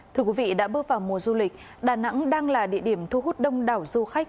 thưa quý vị đã bước vào mùa du lịch đà nẵng đang là địa điểm thu hút đông đảo du khách